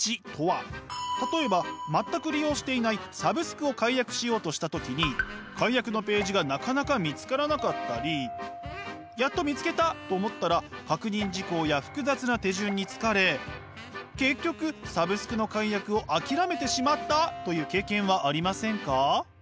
例えば全く利用していないサブスクを解約しようとした時に解約のページがなかなか見つからなかったりやっと見つけたと思ったら確認事項や複雑な手順に疲れ結局サブスクの解約を諦めてしまった！という経験はありませんか？